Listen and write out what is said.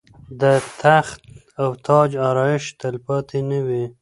د تخت او تاج آرایش تلپاتې نه وي.